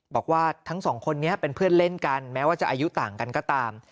บอกว่าทั้งสองคนนี้เป็นเพื่อนเล่นกันแม้ว่าจะอายุต่างกันก็ตาม